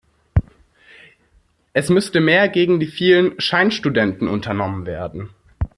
Es müsste mehr gegen die vielen Scheinstudenten unternommen werden.